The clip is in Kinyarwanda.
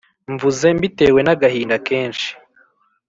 Mvuze mbitewe n'agahinda kenshi